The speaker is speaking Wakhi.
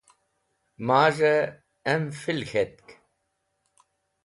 Maz̃hey M. Phil. K̃hetk.